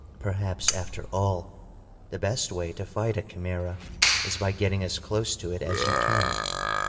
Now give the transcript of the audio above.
Perhaps, after all, the best way to fight a Chimæra is by getting as close to it as you can.